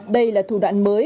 đây là thủ đoạn mới